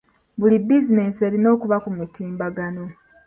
Buli bizinensi erina okuba ku mutimbagano.